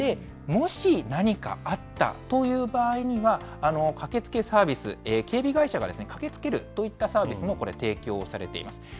もし何かあったという場合には、駆けつけサービス、警備会社が駆けつけるといったサービスもこれ、提供されています。